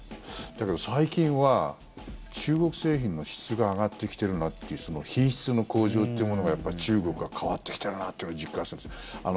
だけど最近は、中国製品の質が上がってきてるなという品質の向上というものが中国は変わってきているなというのを実感するんです。